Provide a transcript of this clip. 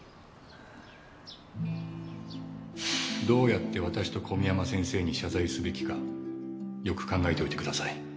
どうやって私と小宮山先生に謝罪すべきかよく考えておいてください。